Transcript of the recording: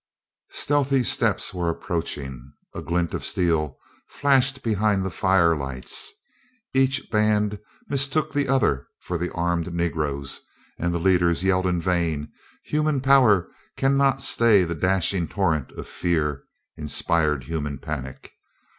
"_ Stealthy steps were approaching, a glint of steel flashed behind the fire lights. Each band mistook the other for the armed Negroes, and the leaders yelled in vain; human power can not stay the dashing torrent of fear inspired human panic.